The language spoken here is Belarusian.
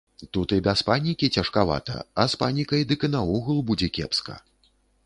Тут і без панікі цяжкавата, а з панікай дык і наогул будзе кепска.